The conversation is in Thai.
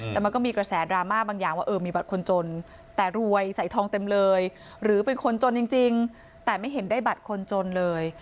แต่มันก็มีกระแสดราม่าบางอย่างว่าเออมีบัตรคนจนแต่รวยใส่ทองเต็มเลยหรือเป็นคนจนจริงแต่ไม่เห็นได้บัตรคนจนเลย